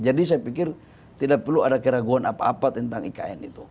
jadi saya pikir tidak perlu ada keraguan apa apa tentang ikn itu